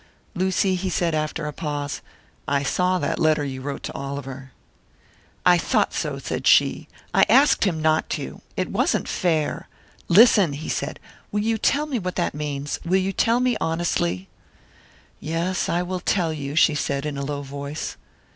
"Lucy," he said, after a pause, "I saw that letter you wrote to Oliver." "I thought so," said she. "I asked him not to. It wasn't fair " "Listen," he said. "Will you tell me what that means? Will you tell me honestly?" "Yes, I will tell you," she said, in a low voice.